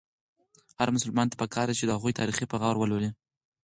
هر مسلمان ته پکار ده چې د هغوی تاریخ په غور ولولي.